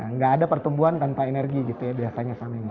nggak ada pertumbuhan tanpa energi gitu ya biasanya